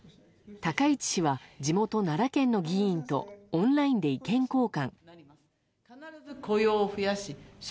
高市氏は地元・奈良県の議員とオンラインで意見交換。